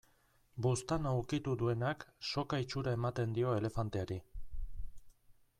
Buztana ukitu duenak, soka itxura ematen dio elefanteari.